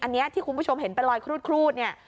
อันนี้ที่คุณผู้ชมเห็นเป็นรอยครูดเนี่ย